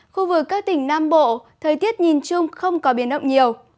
khu vực các tỉnh nam bộ thời tiết nhìn chung không có biển động nhiều